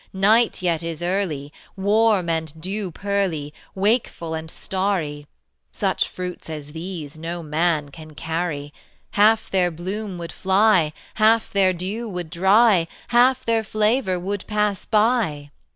Night yet is early, Warm and dew pearly, Wakeful and starry: Such fruits as these No man can carry; Half their bloom would fly, Half their dew would dry, Half their flavor would pass by.